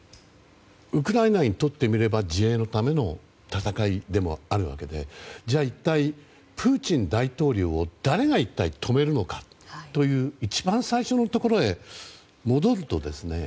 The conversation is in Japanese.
ウクライナにとってみれば自衛のための戦いでもあるわけでじゃあ、一体プーチン大統領を誰が止めるのかという一番最初のところへ戻るとですね